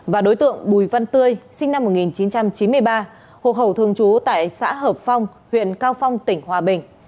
và đối tượng bùi văn tươi sinh năm một nghìn chín trăm chín mươi ba hộ khẩu thường trú tại xã hợp phong huyện cao phong tỉnh hòa bình